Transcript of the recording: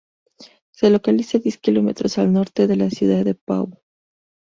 Se localiza a diez kilómetros al norte de la ciudad de Pau.